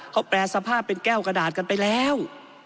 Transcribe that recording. เขาแปรสภาพเป็นแก้วกระดาษกันไปแล้ว